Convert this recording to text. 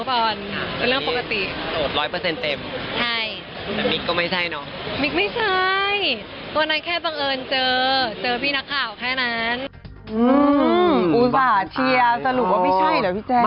อืมอุตส่าห์เชียร์สรุปว่าพี่ใช่หรือพี่แจ้